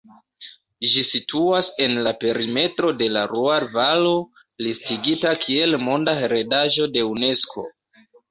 Ĝi situas en la perimetro de la Luar-valo, listigita kiel Monda heredaĵo de Unesko.